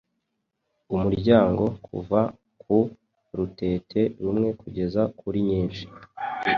umuryango kuva ku rutete rumwe kugeza kuri nyinshi.